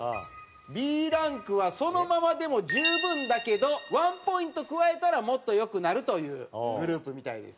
Ｂランクはそのままでも十分だけどワンポイント加えたらもっと良くなるというグループみたいです。